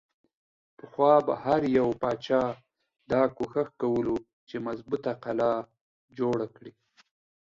پخوا به هر يو باچا دا کوښښ کولو چې مضبوطه قلا جوړه کړي۔